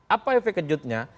apa efek kejutnya